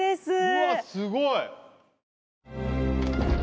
うわっすごい！